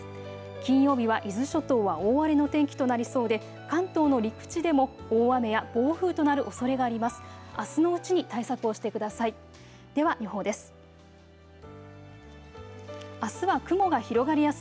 金曜日は伊豆諸島は大荒れの天気となりそうで関東の陸地でも大雨や暴風となるおそれがあります。